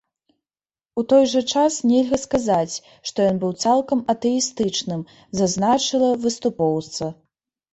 У той жа час нельга сказаць, што ён быў цалкам атэістычным, зазначыла выступоўца.